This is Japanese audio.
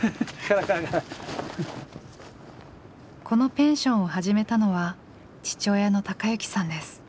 このペンションを始めたのは父親の孝幸さんです。